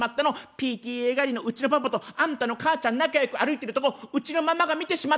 ＰＴＡ帰りのうちのパパとあんたの母ちゃん仲よく歩いてるとこうちのママが見てしまったの！」。